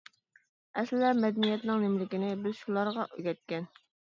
ئەسلىدە مەدەنىيەتنىڭ نېمىلىكىنى بىز شۇلارغا ئۆگەتكەن.